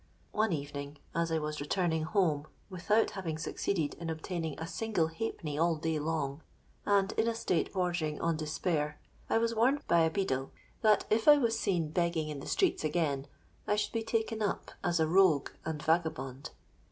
One evening, as I was returning home without having succeeded in obtaining a single halfpenny all day long, and in a state bordering on despair, I was warned by a beadle that if I was seen begging in the streets again, I should be taken up as a rogue and vagabond.